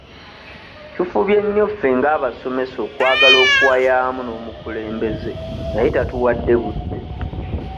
Tufubye nnyo ffe ng'abasomesa okwagala okuwayaamu n'omukulembeze naye tatuwadde budde.